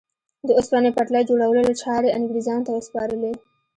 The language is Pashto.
د اوسپنې پټلۍ جوړولو چارې انګرېزانو ته وسپارلې.